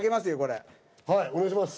はいお願いします。